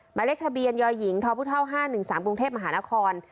หมายเลขทะเบียนยอยหญิงทอพุท่าวห้าหนึ่งสามกรุงเทพมหานคร